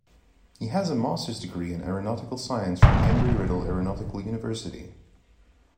He has a master's degree in aeronautical science from Embry-Riddle Aeronautical University.